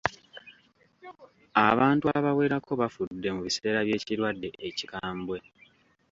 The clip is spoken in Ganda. Abantu abawerako bafudde mu biseera by'ekirwadde ekikambwe.